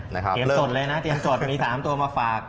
เตรียมสดเลยนะเตรียมสดมี๓ตัวมาฝาก